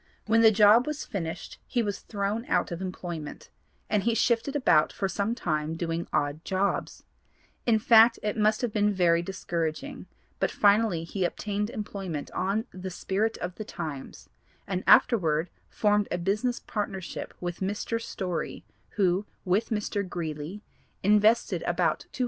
When the job was finished he was thrown out of employment, and he shifted about for some time doing odd jobs; in fact it must have been very discouraging, but finally he obtained employment on the Spirit of the Times, and afterward formed a business partnership with Mr. Story who, with Mr. Greeley, invested about $240.